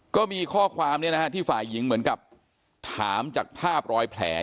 ก็มีข้อความที่ฝ่ายหญิงเหมือนกับถามจากภาพรอยแผล